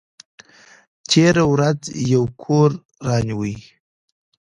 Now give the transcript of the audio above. تېره ورځ یې کور رانیوی!